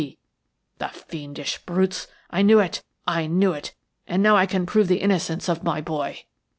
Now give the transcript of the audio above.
C.' The fiendish brutes! I knew it–I knew it, and now I can prove the innocence of my boy!"